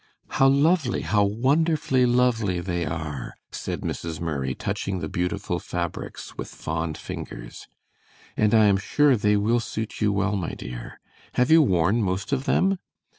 "How lovely, how wonderfully lovely they are," said Mrs. Murray, touching the beautiful fabrics with fond fingers; "and I am sure they will suit you well, my dear. Have you worn most of them?"